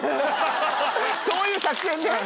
そういう作戦ね！